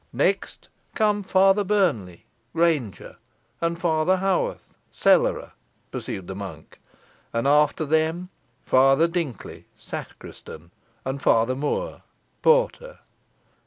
"Next come Father Burnley, granger, and Father Haworth, cellarer," pursued the monk; "and after them Father Dinkley, sacristan, and Father Moore, porter."